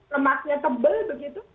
lemaknya tebal begitu